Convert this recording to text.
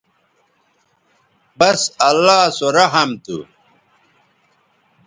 بس اللہ سو رحم تھو